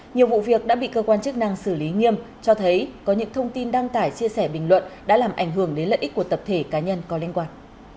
nhiều vụ việc đã bị cơ quan chức năng xử lý nghiêm cho thấy có những thông tin đăng tải chia sẻ bình luận đã làm ảnh hưởng đến lợi ích của tập thể cá nhân có liên quan